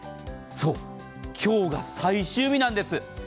そう、今日が最終日なんです。